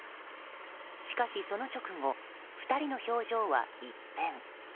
しかし、その直後２人の表情は一変。